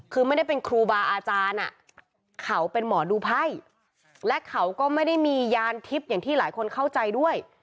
คือไม่ได้เป็นครูบาอาจารย์เขาเป็นหมอดูไพ่และเขาก็ไม่ได้มียานทิพย์อย่างที่หลายคนเข้าใจด้วย